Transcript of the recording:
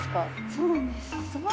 そうなんです。